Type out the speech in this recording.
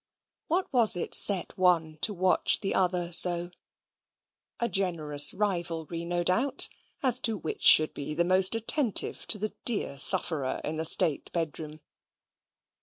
What was it set one to watch the other so? A generous rivalry, no doubt, as to which should be most attentive to the dear sufferer in the state bedroom.